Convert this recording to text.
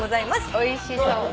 おいしそう。